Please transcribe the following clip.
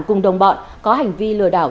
cùng đồng bọn có hành vi lừa đảo